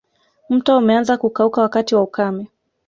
Mto umeanza kukauka wakati wa ukame